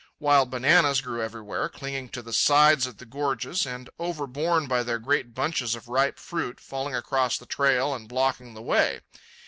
Wild bananas grew everywhere, clinging to the sides of the gorges, and, overborne by their great bunches of ripe fruit, falling across the trail and blocking the way.